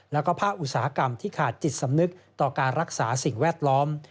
แล้วก็ภาคอุตสาหกรรมที่ขาดจิตสำนึกต่อการรักษาสิ่งแวดล้อม